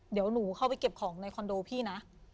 เดี๋ยวหนูเข้าไปเก็บของในคอนโดพี่นะ